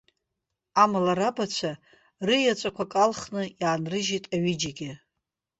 Амала, рабацәа рыеҵәақәак алхны иаанрыжьит аҩыџьегьы.